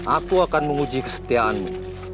aku akan menguji kesetiaanmu